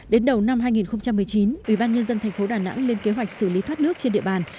đến đầu năm hai nghìn một mươi chín ủy ban nhân dân thành phố đà nẵng lên kế hoạch xử lý thoát nước trên địa bàn